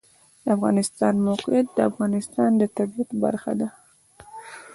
د افغانستان د موقعیت د افغانستان د طبیعت برخه ده.